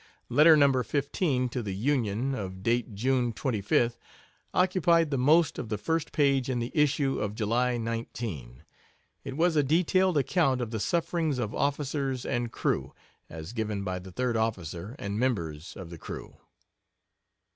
Letter No. 15 to the Union of date June 25th occupied the most of the first page in the issue of July 19. It was a detailed account of the sufferings of officers and crew, as given by the third officer and members of the crew.